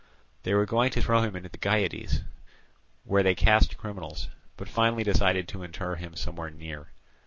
They were going to throw him into the Kaiadas, where they cast criminals, but finally decided to inter him somewhere near.